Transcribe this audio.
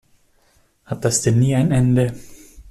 Hat das denn nie ein Ende?